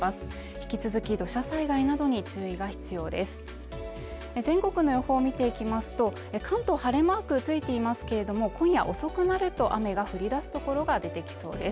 引き続き土砂災害などに注意が必要です全国の予報を見ていきますと関東晴れマークついていますけれども、今夜遅くなると雨が降り出すところが出てきそうです。